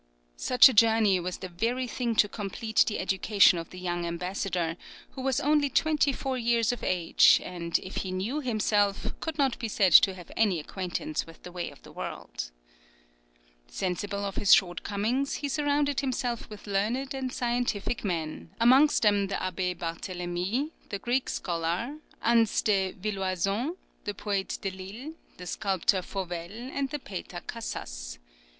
Such a journey was the very thing to complete the education of the young ambassador, who was only twenty four years of age, and if he knew himself, could not be said to have any acquaintance with the ways of the world. Sensible of his shortcomings, he surrounded himself with learned and scientific men, amongst them the Abbé Barthélemy, the Greek scholar, Ansse de Villoison, the poet Delille, the sculptor Fauvel, and the painter Cassas.